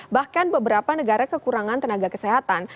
bahkan beberapa negara kekurangan tenaga kesehatan